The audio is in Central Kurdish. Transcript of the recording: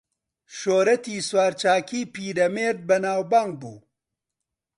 شۆرەتی سوارچاکیی پیرەمێرد بەناوبانگ بوو